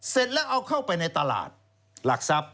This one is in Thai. เสร็จแล้วเอาเข้าไปในตลาดหลักทรัพย์